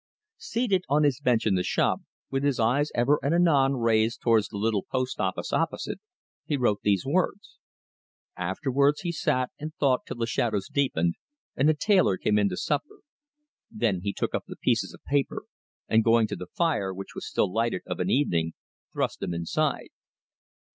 Seated on his bench in the shop, with his eyes ever and anon raised towards the little post office opposite, he wrote these words. Afterwards he sat and thought till the shadows deepened, and the tailor came in to supper. Then he took up the pieces of paper, and, going to the fire, which was still lighted of an evening, thrust them inside.